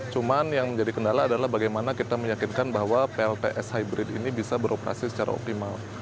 cuman yang menjadi kendala adalah bagaimana kita meyakinkan bahwa plts hybrid ini bisa beroperasi secara optimal